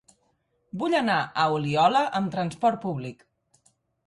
Vull anar a Oliola amb trasport públic.